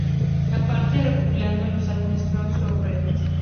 Aparece recopilado en los álbumes "Crossing All Over!